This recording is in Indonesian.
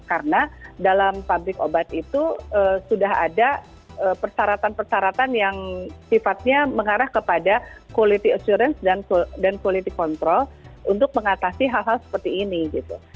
karena dalam pabrik obat itu sudah ada persyaratan persyaratan yang sifatnya mengarah kepada quality assurance dan quality control untuk mengatasi hal hal seperti ini gitu